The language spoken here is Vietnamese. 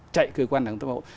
chạy cơ quan làm công tác căn bộ